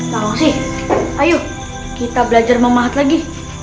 tolong sih ayo kita belajar memahat lagi